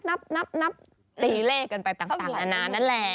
เตะเล่กกันไปต่างนานนั้นแหละ